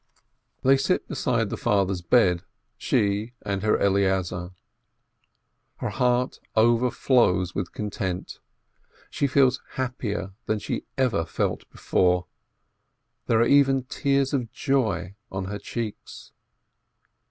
They sit beside the father's bed, she and her Eleazar. Her heart overflows with content, she feels happier than she ever felt before, there are even tears of joy on her cheeks.